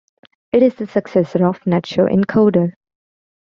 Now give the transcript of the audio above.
It is the successor of NetShow Encoder.